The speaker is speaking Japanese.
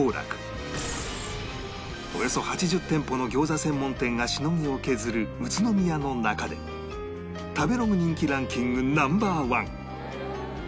およそ８０店舗の餃子専門店がしのぎを削る宇都宮の中で食べログ人気ランキング Ｎｏ．１